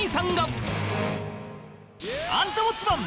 『アンタウォッチマン！』